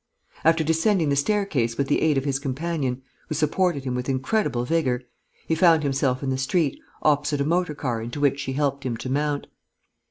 After descending the staircase with the aid of his companion, who supported him with incredible vigour, he found himself in the street, opposite a motor car into which she helped him to mount.